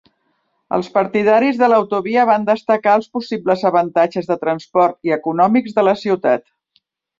Els partidaris de l'autovia van destacar els possibles avantatges de transport i econòmics de la ciutat.